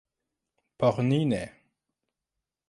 Por ni ne.